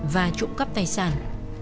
và trụ cấp tài sản